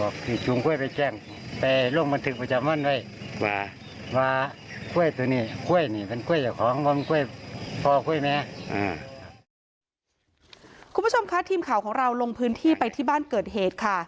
คุณผู้ชมคะทีมข่าวของเราลงพื้นที่ไปที่บ้านเกิดเหตุค่ะ